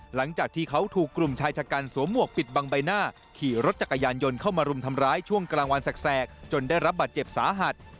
หลังจากที่เขาถูกกลุ่มชายชะกันสวมหวกปิดบังใบหน้าขี่รถจักรยานยนต์เข้ามารุมทำร้ายช่วงกลางวันแสกจนได้รับบาดเจ็บสาหัส